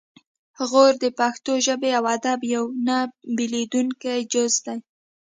غور د پښتو ژبې او ادب یو نه بیلیدونکی جز دی